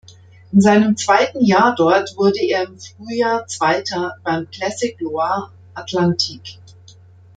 In seinem zweiten Jahr dort wurde er im Frühjahr Zweiter beim Classic Loire Atlantique.